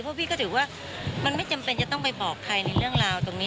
เพราะพี่ก็ถือว่ามันไม่จำเป็นจะต้องไปบอกใครในเรื่องราวตรงนี้